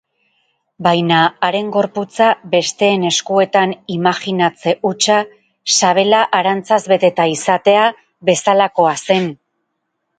Baina haren gorputza besteen eskuetan imajinatze hutsa sabela arantzaz beteta izatea bezalakoa zen.